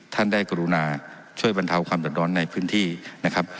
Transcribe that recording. ท่านได้กรุณาช่วยบรรเทาความเดือดร้อนในพื้นที่นะครับ